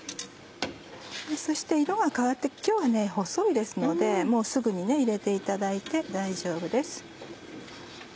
そして色が変わって今日は細いですのでもうすぐに入れていただいて大丈夫です。